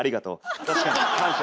確かに。感謝。